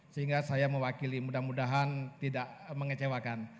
sehingga saya mewakili mudah mudahan tidak mengecewakan